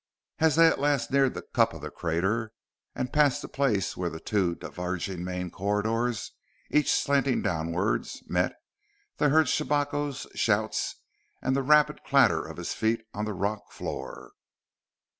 As they at last neared the cup of the crater, and passed the place where the two diverging main corridors, each slanting downwards, met, they heard Shabako's shouts and the rapid clatter of his feet on the rock floor.